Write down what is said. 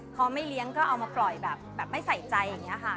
พอไม่เลี้ยงก็เอามาปล่อยแบบไม่ใส่ใจ